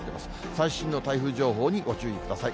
最新の台風情報にご注意ください。